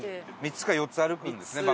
３つか４つ歩くんですね